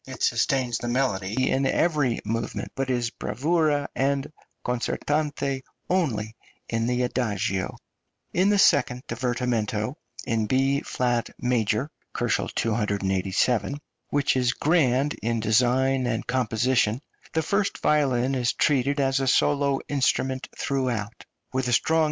it sustains the melody in every movement, but is bravura and concertante only in the adagio. In the second divertimento, in B flat major (287 K.), which is grand in design and composition, the first violin is treated as a solo instrument throughout, with a strong {INSTRUMENTAL MUSIC.